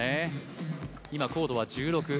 高度は１６。